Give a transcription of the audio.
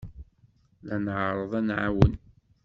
La nɛerreḍ ad nɛawen.